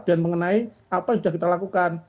mengenai apa yang sudah kita lakukan